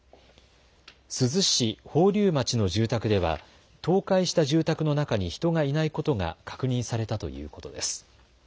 珠洲市宝立町の住宅では倒壊した住宅の中に人がいないことが確認されたということです。